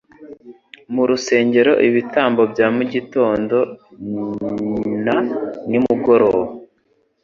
Mu rusengero, ibitambo bya mugitondo na nimugoroba